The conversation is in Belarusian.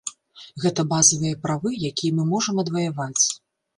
Гэта базавыя правы, якія мы можам адваяваць.